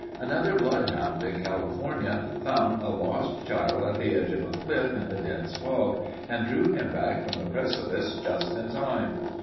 "Another bloodhound in California found a lost child at the edge of a cliff in a dense fog and drew him back from the precipice just in time.